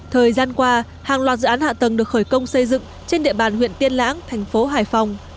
thời gian qua hàng loạt dự án hạ tầng được khởi công xây dựng trên địa bàn huyện tiên lãng thành phố hải phòng